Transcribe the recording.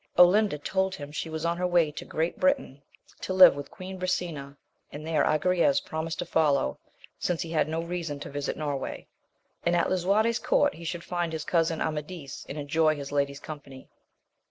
Olinda told him she was on her way to Great Britain, to live with Queen Brisena, and there Agrayes promised to follow, since he had no reason to visit Norway, and at lisuarte's court he should find his cousin Amadis, and enjoy his lady's company.